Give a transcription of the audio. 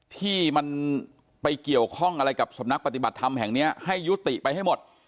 ที่มันไปเกี่ยวข้องอะไรกับสำนักปฏิบัติธรรมแห่งนี้ให้ยุติไปให้หมด